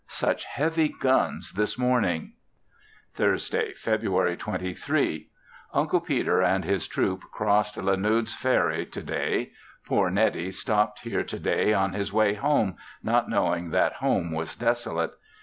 Such heavy guns this morning! Thursday, February 23 Uncle Peter and his troop crossed Le Nud's Ferry to day. Poor Neddie stopped here to day on his way home, not knowing that home was desolate.